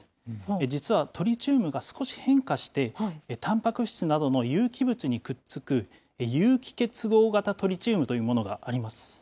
実はトリチウムが少し変化して、たんぱく質などの有機物にくっつく有機結合型トリチウムというものがあります。